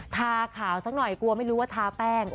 ทาขาวสักหน่อยกลัวไม่รู้ว่าทาแป้ง